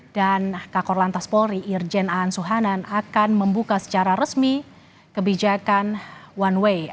dan kakor lantas polri irjen aan suhanan akan membuka secara resmi kebijakan one way